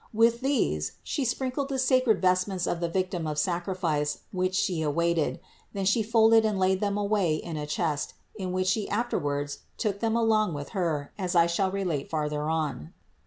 With these She sprinkled the sacred vestments of the Victim of sacrifice which She awaited ; then She folded and laid them away in a chest, in which She afterwards took them along with Her, as I shall relate farther on.